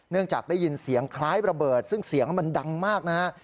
จากได้ยินเสียงคล้ายระเบิดซึ่งเสียงมันดังมากนะฮะ